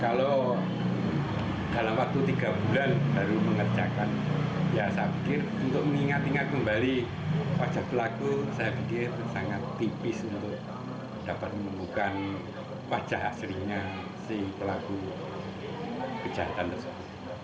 kalau dalam waktu tiga bulan baru mengerjakan ya sakit untuk mengingat ingat kembali wajah pelaku saya pikir sangat tipis untuk dapat menemukan wajah aslinya si pelaku kejahatan tersebut